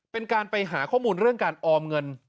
เป็นการไปหาข้อมูลเรื่องการออมเงิน